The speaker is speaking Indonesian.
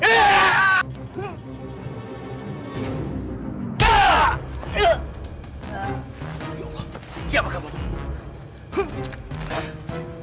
ya allah siapa kamu ini